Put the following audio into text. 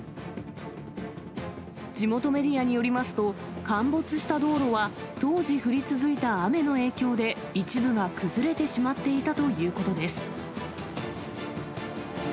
地元メディアによりますと、陥没した道路は、当時降り続いた雨の影響で、一部が崩れてしまっていたということです。